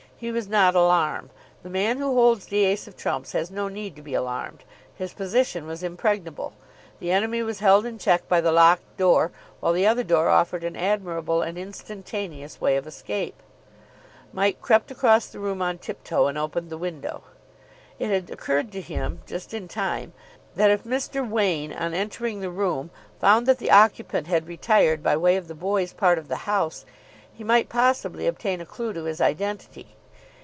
He was not alarmed. The man who holds the ace of trumps has no need to be alarmed. His position was impregnable. The enemy was held in check by the locked door, while the other door offered an admirable and instantaneous way of escape. Mike crept across the room on tip toe and opened the window. It had occurred to him, just in time, that if Mr. Wain, on entering the room, found that the occupant had retired by way of the boys' part of the house, he might possibly obtain a clue to his identity.